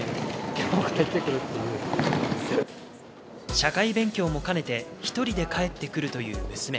社会勉強も兼ねて、１人で帰ってくるという娘。